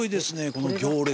この行列。